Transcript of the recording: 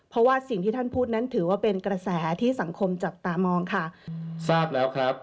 เพราะว่าสิ่งที่ท่านพูดนั้นถือว่าเป็นกระแสที่สังคมจับตามองค่ะทราบแล้วครับ